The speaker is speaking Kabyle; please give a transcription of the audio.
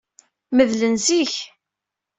Meddlen zik.